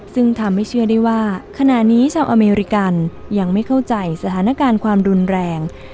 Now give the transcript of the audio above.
ซึ่งทำให้เชื่อได้ว่าขณะนี้ชาวอเมริกันยังไม่เข้าใจสถานการณ์ความรุนแรง